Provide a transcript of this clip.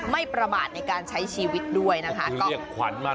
ไม่ประมาทในการใช้ชีวิตด้วยนะคะ